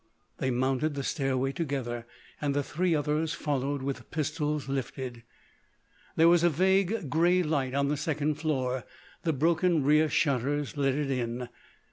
They mounted the stairway together; and the three others followed with pistols lifted. There was a vague grey light on the second floor; the broken rear shutters let it in.